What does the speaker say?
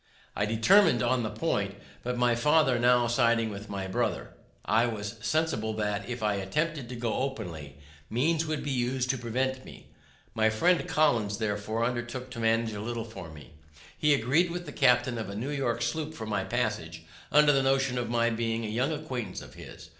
I determin'd on the point, but my father now siding with my brother, I was sensible that, if I attempted to go openly, means would be used to prevent me. My friend Collins, therefore, undertook to manage a little for me. He agreed with the captain of a New York sloop for my passage, under the notion of my being a young acquaintance of his.